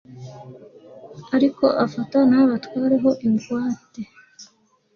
ariko afata abana b'abatware ho ingwate